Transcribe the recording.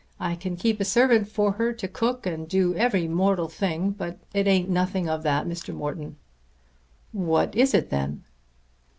I can keep a servant for her to cook and do every mortal thing. But it ain't nothing of all that, Mr. Morton." "What is it then?"